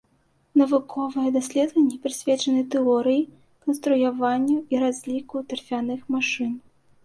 Навуковыя даследаванні прысвечаны тэорыі, канструяванню і разліку тарфяных машын.